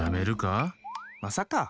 まさか！